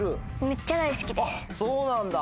そうなんだ。